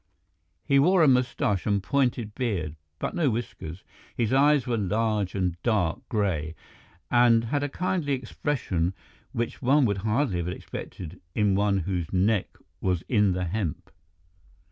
He wore a moustache and pointed beard, but no whiskers; his eyes were large and dark gray, and had a kindly expression which one would hardly have expected in one whose neck was in the hemp.